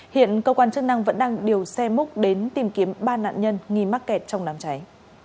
hiện cơ quan chức năng vẫn đang điều xe múc đến tìm kiếm ba nạn nhân nghi mắc kẹt trong đám cháy